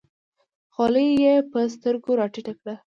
خولۍ یې په سترګو راټیټه کړه.